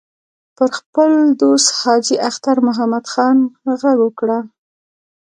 پر خپل دوست حاجي اختر محمد خان غږ وکړ.